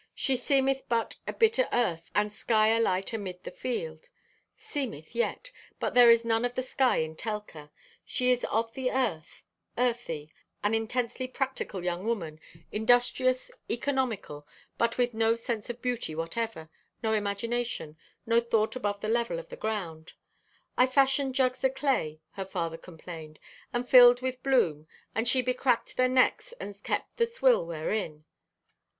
"She seemeth but a bit o' earth and sky alight amid the field." Seemeth, yes, but there is none of the sky in Telka. She is of the earth, earthy, an intensely practical young woman, industrious, economical, but with no sense of beauty whatever, no imagination, no thought above the level of the ground. "I fashioned jugs o' clay," her father complained, "and filled with bloom, and she becracked their necks and kept the swill therein."